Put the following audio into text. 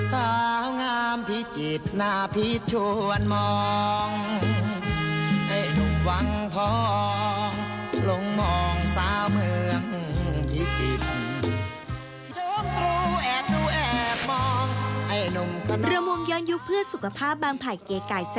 รำวงย้อนยุคเพื่อสุขภาพบางไผ่เก๋ไก่สลายดี